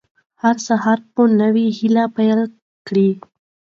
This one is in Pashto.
هر سهار په نوې هیله پیل کړئ.